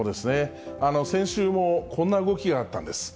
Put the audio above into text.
先週もこんな動きがあったんです。